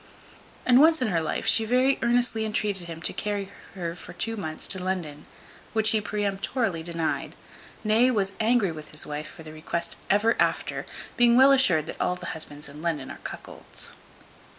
And once in her life she very earnestly entreated him to carry her for two months to London, which he peremptorily denied; nay, was angry with his wife for the request ever after, being well assured that all the husbands in London are cuckolds.